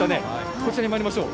こちらに参りましょう。